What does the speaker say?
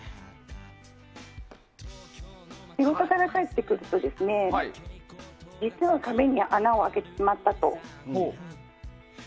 仕事から帰ってくると実は壁に穴を開けてしまったと。